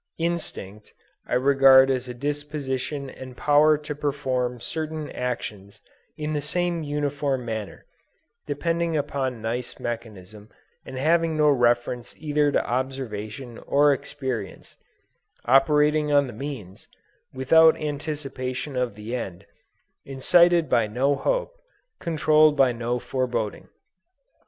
Instinct I regard as a disposition and power to perform certain actions in the same uniform manner, depending upon nice mechanism and having no reference either to observation or experience; operating on the means, without anticipation of the end, incited by no hope, controlled by no foreboding.